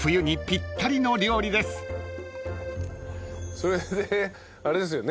それであれですよね。